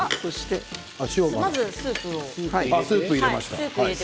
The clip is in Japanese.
まずはスープを入れます。